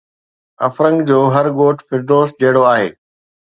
افرنگ جو هر ڳوٺ فردوس جهڙو آهي